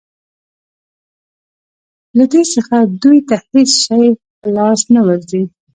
له دې څخه دوی ته هېڅ شی په لاس نه ورځي.